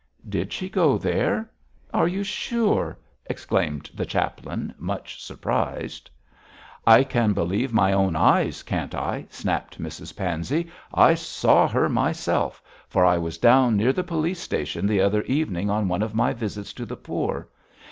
'Did she go there? are you sure?' exclaimed the chaplain, much surprised. 'I can believe my own eyes, can't I!' snapped Mrs Pansey. 'I saw her myself, for I was down near the police station the other evening on one of my visits to the poor.